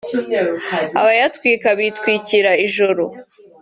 Abayatwika bitwikira ijoro